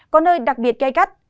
có nơi đặc biệt cay cắt